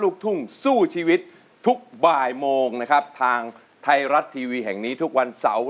ลูกทุ่งสู้ชีวิตทุกบ่ายโมงนะครับทางไทยรัฐทีวีแห่งนี้ทุกวันเสาร์